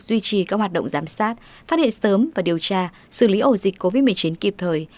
duy trì các hoạt động giám sát phát hiện sớm và điều tra xử lý ổ dịch covid một mươi chín kịp thời